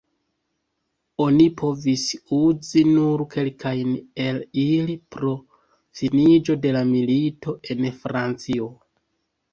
Oni povis uzi nur kelkajn el ili pro finiĝo de la milito, en Francio.